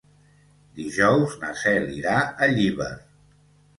Dijous na Cel irà a Llíber.